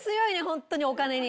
本当にお金に。